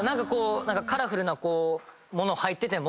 カラフルな物入ってても。